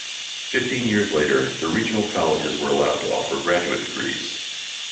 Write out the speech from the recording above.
Fifteen years later, the regional colleges were allowed to offer graduate degrees.